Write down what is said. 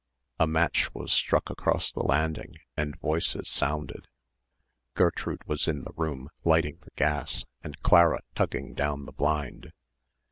A match was struck across the landing and voices sounded. Gertrude was in the room lighting the gas and Clara tugging down the blind.